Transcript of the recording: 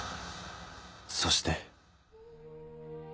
そして